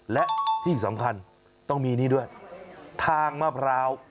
และที่สำคัญต้องมีนี่ด้วยทางมะพร้าว